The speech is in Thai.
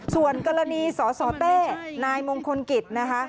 ส่วนกรณีสสเต้นายมงคลกิจนะคะ